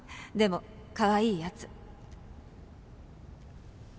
でもかわいい奴」。